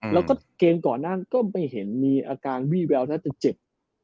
แล้วก็เกมก่อนหน้าก็ไม่เห็นมีอาการวี่แววน่าจะเจ็บ